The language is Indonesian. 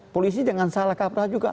polisi dengan salah kaprah juga